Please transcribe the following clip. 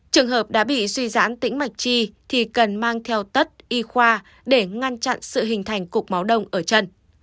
trường hợp đã bị suy giãn tĩnh mạch chi thì cần mang theo tất y khoa để ngăn chặn sự hình thành cục máu đông ở chân